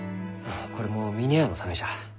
これも峰屋のためじゃ。